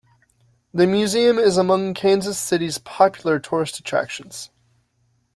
The museum is among Kansas City's popular tourist attractions.